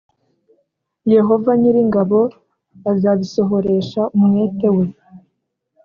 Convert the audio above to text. Yehova nyir ingabo azabisohoresha umwete we